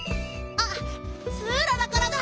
あっツーララからだ。